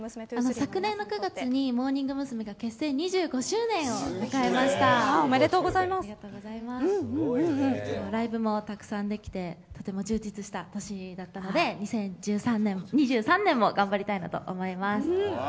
昨年の９月にモーニング娘。が結成２０年をライブもたくさんできてとても充実した年だったので２０２３年も頑張りたいと思います。